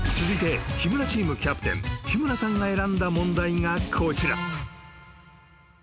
［続いて日村チームキャプテン日村さんが選んだ問題がこちら］